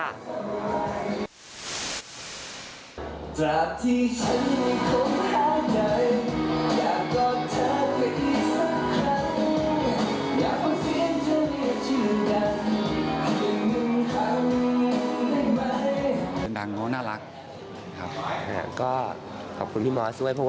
นั่งนั่งนั่งนั่งนั่งนั่งนั่งนั่งนั่งนั่งนั่งนั่งนั่งนั่งนั่งนั่งนั่งนั่งนั่ง